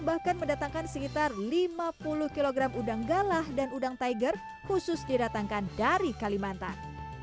bahkan mendatangkan sekitar lima puluh kg udang galah dan udang tiger khusus didatangkan dari kalimantan